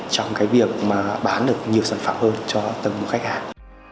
trong cái việc mà bán được nhiều sản phẩm hơn cho từng khách hàng